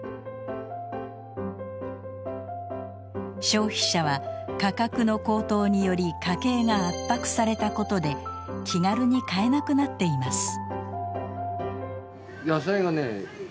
消費者は価格の高騰により家計が圧迫されたことで気軽に買えなくなっています。